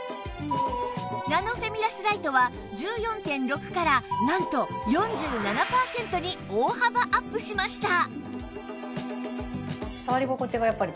ナノフェミラスライトは １４．６ からなんと４７パーセントに大幅アップしました